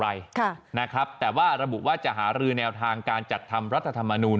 อะไรค่ะนะครับแต่ว่าระบุว่าจะหารือแนวทางการจัดทำรัฐธรรมนูล